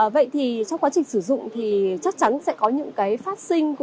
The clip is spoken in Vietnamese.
vậy thì trong quá trình sử dụng thì chắc chắn sẽ có những cái phát sinh